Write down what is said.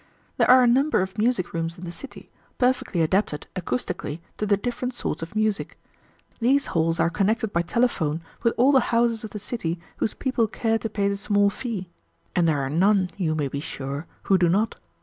There are a number of music rooms in the city, perfectly adapted acoustically to the different sorts of music. These halls are connected by telephone with all the houses of the city whose people care to pay the small fee, and there are none, you may be sure, who do not.